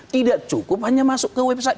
tidak cukup hanya masuk ke website